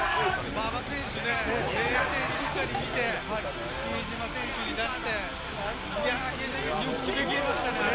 馬場選手ね、冷静にしっかり見て、比江島選手に出して、比江島選手、よく決めきりましたね。